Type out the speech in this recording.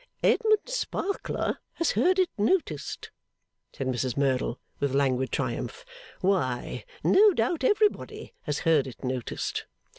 'Edmund Sparkler has heard it noticed,' said Mrs Merdle, with languid triumph. 'Why, no doubt everybody has heard it noticed!